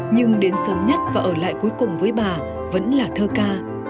nhưng đến sớm nhất và ở lại cuối cùng với bà vẫn là thơ ca